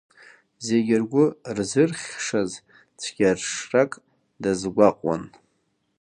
Зегьы ргәы рзырхьшаз цәгьаршрак дазгәаҟуан.